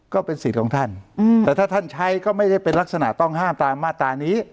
ก็เป็นสิทธิ์ของท่านแต่ถ้าท่านใช้ก็ไม่ได้เป็นลักษณะต้องห้ามตามมาตรานี้